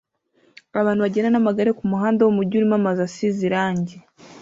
Abantu bagenda n'amagare kumuhanda wo mumujyi urimo amazu asize irangi